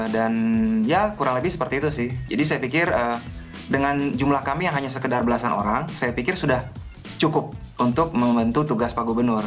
dan ya kurang lebih seperti itu sih jadi saya pikir dengan jumlah kami yang hanya sekedar belasan orang saya pikir sudah cukup untuk membantu tugas pak gubernur